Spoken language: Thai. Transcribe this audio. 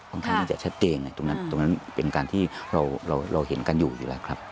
บางทางนี้จะแช่เจนตรงนั้นเป็นการที่เราเห็นกันอยู่อยู่แล้วครับ